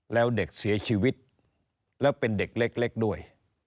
แล้วเด็กเสียชีวิตแล้วเป็นเด็กเล็กด้วย